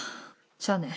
じゃあね。